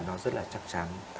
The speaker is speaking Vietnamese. nó rất là chắc chắn